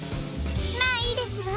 まあいいですわ。